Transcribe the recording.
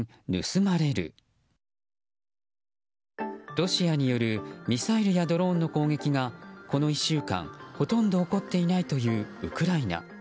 ロシアによるミサイルやドローンの攻撃がこの１週間ほとんど起こっていないというウクライナ。